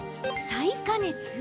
再加熱？